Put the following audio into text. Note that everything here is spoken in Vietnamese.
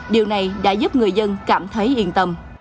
điều này đã giúp người dân cảm thấy yên tâm